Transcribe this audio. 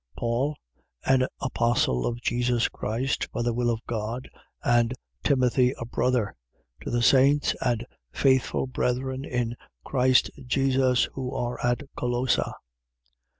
1:1. Paul, an apostle of Jesus Christ, by the will of God, and Timothy, a brother: 1:2. To the saints and faithful brethren in Christ Jesus who are at Colossa.